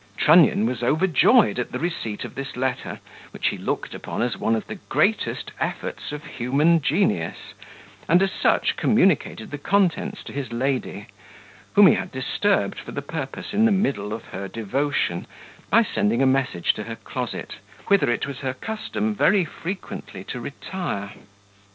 Trunnion was overjoyed at the receipt of this letter, which he looked upon as one of the greatest efforts of human genius, and as such communicated the contents to his lady, whom he had disturbed for the purpose in the middle of her devotion, by sending a message to her closet, whither it was her custom very frequently to retire.